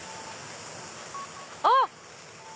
あっ！